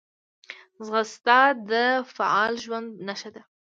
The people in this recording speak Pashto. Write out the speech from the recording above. ځغاسته د فعاله ژوند نښه ده